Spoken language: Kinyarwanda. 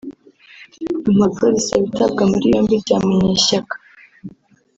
Impapuro zisaba itabwa muri yombi rya Munyeshyaka